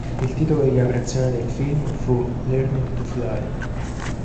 Il titolo di lavorazione del film fu "Learning to Fly".